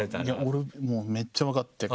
俺めっちゃ分かって。